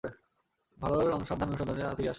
ভালর সন্ধান আত্মানুসন্ধানেই ফিরিয়া আসে।